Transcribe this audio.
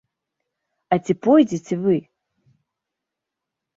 А ці пойдзеце вы?